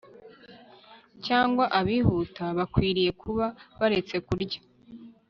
cyangwa abihuta bakwiriye kuba baretse kurya